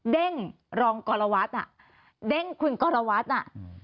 เด้งรองกรวาศน่ะเด้งคุณกรวาศน่ะ